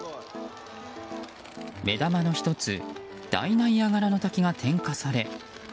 目玉の１つ大ナイアガラの滝が点火され。